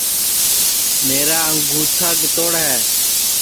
میرا انگوچھا کِتوڑ ہے